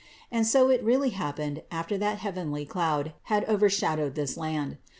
And so it really hap pened after that heavenly cloud had overshadowed this land.